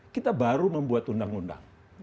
kita baru membuat undang undang